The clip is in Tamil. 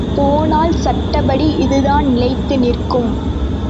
போனால் சட்டப்படி இதுதான் நிலைத்து நிற்கும்.